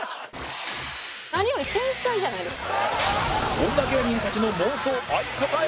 何より天才じゃないですか。